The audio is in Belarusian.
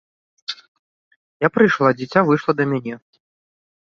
Я прыйшла, дзіця выйшла да мяне.